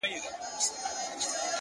اوس هغه بل كور كي اوسيږي كنه ـ